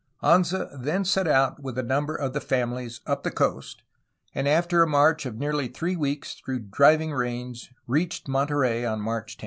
Anza then set out with a number of the famihes up the coast, and after a march of nearly three weeks through driving rains reached Monterey on March 10.